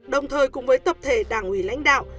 đồng thời cùng với tập thể đảng ủy lãnh đạo